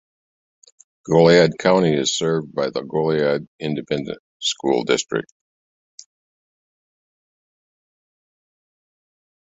Goliad County is served by the Goliad Independent School District.